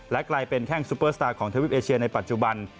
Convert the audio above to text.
กลายเป็นแข้งซุปเปอร์สตาร์ของทวิปเอเชียในปัจจุบัน